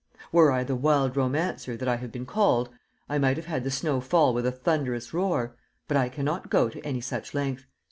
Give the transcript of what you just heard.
Were I the "wild romancer" that I have been called, I might have had the snow fall with a thunderous roar, but I cannot go to any such length.